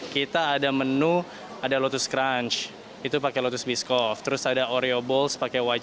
kita ada menu ada lotus crunch itu pakai lotus biskow terus aues namanya adults pakai white